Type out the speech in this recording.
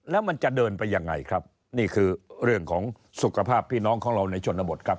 แล้วมันจะเดินไปยังไงครับนี่คือเรื่องของสุขภาพพี่น้องของเราในชนบทครับ